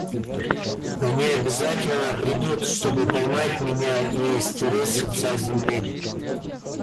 Они обязательно придут, чтобы поймать меня и стереть с лица земли.